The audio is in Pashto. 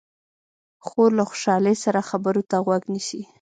خور له خوشحالۍ سره خبرو ته غوږ نیسي.